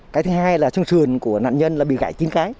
cái thứ hai là trong sườn của nạn nhân là bị gãy chín cái